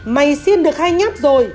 mày xiên được hai nháp rồi